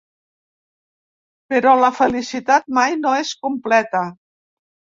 Però la felicitat mai no és completa.